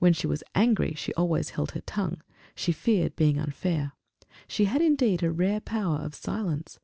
When she was angry, she always held her tongue; she feared being unfair. She had indeed a rare power of silence.